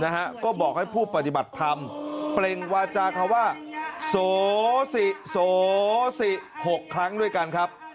นะฮะก็บอกให้ผู้ปฏิบัติธรรมเปล่งวาจาคำว่าโสสิโสสิหกครั้งด้วยกันครับ